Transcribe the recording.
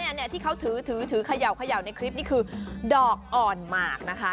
อันนี้ที่เขาถือขย่าวในคลิปนี้คือดอกอ่อนหมากนะคะ